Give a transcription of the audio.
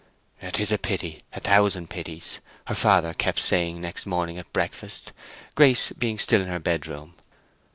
CHAPTER XI. "'Tis a pity—a thousand pities!" her father kept saying next morning at breakfast, Grace being still in her bedroom.